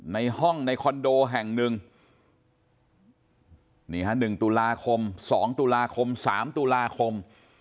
ในห้องในคอนโดแห่งหนึ่งนี่ฮะ๑ตุลาคม๒ตุลาคม๓ตุลาคม